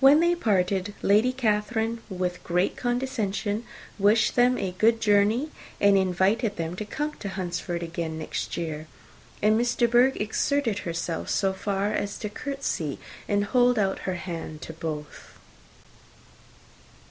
When they parted, Lady Catherine, with great condescension, wished them a good journey, and invited them to come to Hunsford again next year; and Miss de Bourgh exerted herself so far as to courtesy and hold out her hand to both.